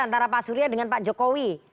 antara pak surya dengan pak jokowi